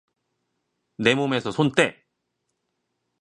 내 몸에서 손 떼!